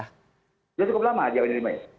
sudah cukup lama ya wajah penerima ini